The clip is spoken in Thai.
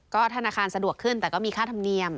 ก็ธนาคารสะดวกขึ้นแต่ก็มีค่าธรรมเนียม